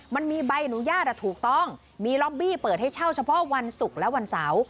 มันมีใบอนุญาตถูกต้องมีล็อบบี้เปิดให้เช่าเฉพาะวันศุกร์และวันเสาร์